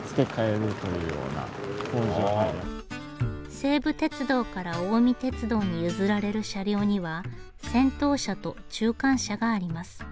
西武鉄道から近江鉄道に譲られる車両には先頭車と中間車があります。